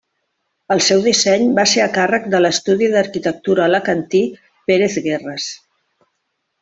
El seu disseny va ser a càrrec de l'estudi d'arquitectura alacantí Pérez-Guerres.